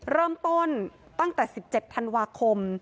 เริ่มต้นตั้งแต่๑๗ธันวาคม